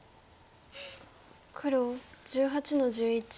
黒１８の十一。